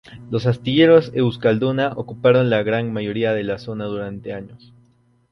Los Astilleros Euskalduna ocuparon la gran mayoría de la zona durante años.